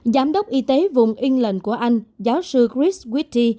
giám đốc y tế vùng england của anh giáo sư chris witti